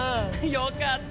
良かった。